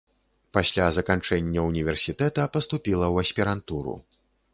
Пасля заканчэння універсітэта паступіла ў аспірантуру.